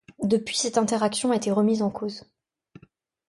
Depuis cette interaction a été remise en cause.